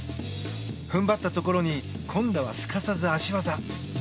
踏ん張ったところに今度はすかさず足技。